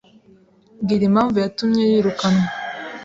Mbwira impamvu yatumye yirukanwa.